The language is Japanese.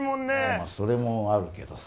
まそれもあるけどさ